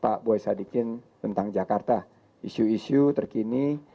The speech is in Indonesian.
pak boy sadikin tentang jakarta isu isu terkini